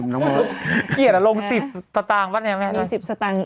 ๔๐๕๐น้องมอลเกลียดลง๑๐ตัวต่างปะเนี่ยแม่